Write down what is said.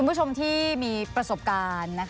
คุณผู้ชมที่มีประสบการณ์